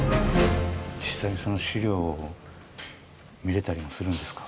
実際にその資料を見れたりもするんですか？